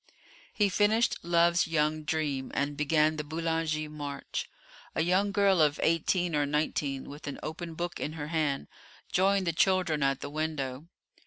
He finished "Love's Young Dream," and began the "Boulanger March." A young girl of eighteen or nineteen, with an open book in her hand, joined the children at the window.